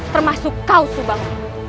termasuk kau subang